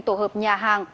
tổ hợp nhà hàng